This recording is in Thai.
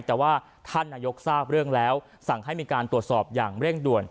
แต่ว่าท่านนายกทราบเรื่องแล้วสั่งให้มีการตรวจสอบอย่างเร่งด่วน